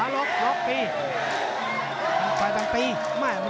หลอกแล้วตี